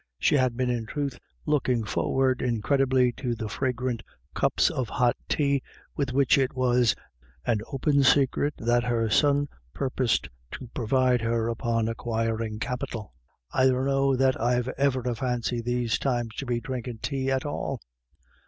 She had been, in truth, look ing forward incredibly to the fragrant cups of hot tea with which it was an open secret that her son purposed to provide her upon acquiring capital. " I dunno that I've e'er a fancy these times to be drinkin' tay at all.